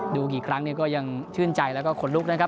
ดูกี่ครั้งเนี่ยก็ยังชื่นใจแล้วก็ขนลุกนะครับ